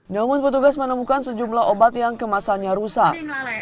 namun petugas menemukan sejumlah obat yang kemasannya rusak